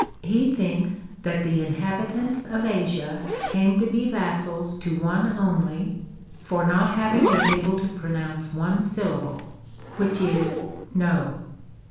He thinks that the inhabitants of Asia came to be vassals to one only, for not having been able to pronounce one syllable ; which is, No.